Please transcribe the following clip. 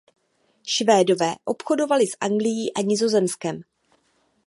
Švédové obchodovali s Anglií a Nizozemskem.